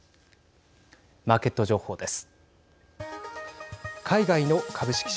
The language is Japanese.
マーケット情報です。